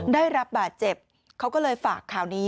ได้รับบาดเจ็บเขาก็เลยฝากข่าวนี้